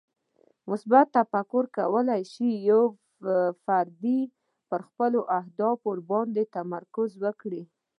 مثبت تفکر کولی شي چې یو فرد پر خپلو اهدافو باندې تمرکز وکړي.